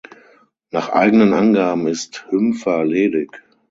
Nach eigenen Angaben ist Hümpfer ledig.